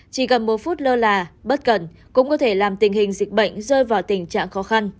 chỉ cần một phút lơ là bất cẩn cũng có thể làm tình hình dịch bệnh rơi vào tình trạng khó khăn